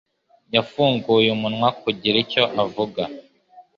yafunguye umunwa kugira icyo avuga.